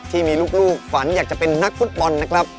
ที่มีลูกฝันอยากจะเป็นนักฟุตบอลนะครับ